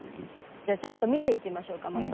ちょっと見ていきましょうかまた。